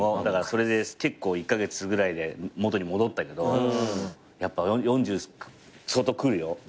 だからそれで結構１カ月ぐらいで元に戻ったけどやっぱ４０ちょうど来るよ。